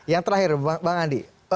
yang terakhir bang andi